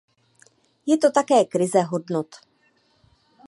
Je to také krize hodnot.